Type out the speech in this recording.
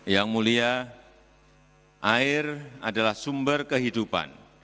yang mulia air adalah sumber kehidupan